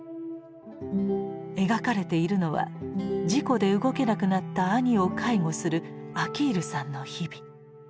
描かれているのは事故で動けなくなった兄を介護するアキールさんの日々。